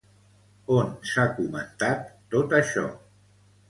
On s'ha comentat tot això?